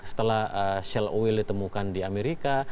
setelah shell oil ditemukan di amerika